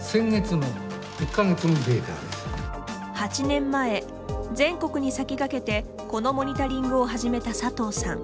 ８年前、全国に先駆けて、このモニタリングを始めた佐藤さん。